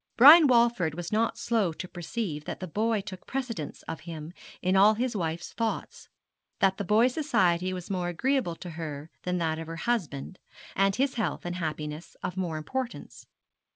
Brian Walford was not slow to perceive that the boy took precedence of him in all his wife's thoughts, that the boy's society was more agreeable to her than that of her husband, and his health and happiness of more importance.